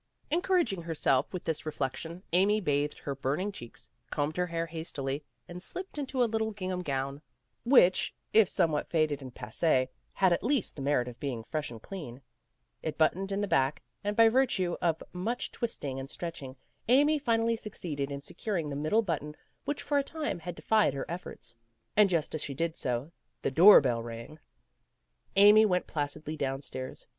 Encouraging herself with this reflection, Amy bathed her burning cheeks, combed her hair has tily, and slipped into a little gingham gown PEGGY RAYMOND'S WAY which, if somewhat faded and passee, had at least the merit of being fresh and clean. It but toned in the back, and by virtue of much twist ing and stretching Amy finally succeeded in se curing the middle button which for a time had defied her efforts. And just as she did so, the door bell rang. Amy went placidly downstairs.